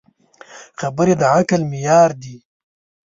خبرې د عقل معیار دي.